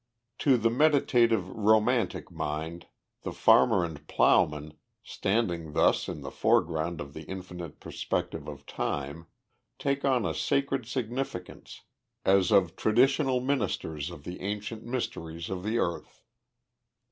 To the meditative, romantic mind, the farmer and plowman, standing thus in the foreground of the infinite perspective of time, take on a sacred significance, as of traditional ministers of the ancient mysteries of the earth.